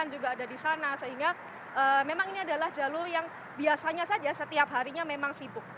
juga ada di sana sehingga memang ini adalah jalur yang biasanya saja setiap harinya memang sibuk